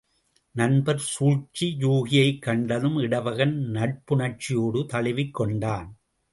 நண்பர் சூழ்ச்சி யூகியைக் கண்டதும் இடவகன் நட்புணர்ச்சியோடு தழுவிக் கொண்டான்.